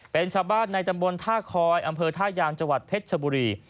เป็นชาวบ้านในตำบลท่าคอยอำเภอท่ายางจังหวัดเพชรชบุรี